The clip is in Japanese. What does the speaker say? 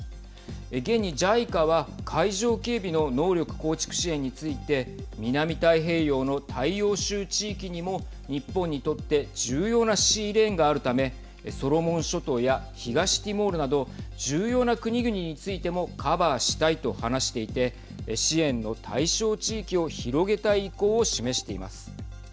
現にＪＩＣＡは海上警備の能力構築支援について南太平洋の大洋州地域にも日本にとって重要なシーレーンがあるためソロモン諸島や東ティモールなど重要な国々についてもカバーしたいと話していて支援の対象地域を広げたい意向を示しています。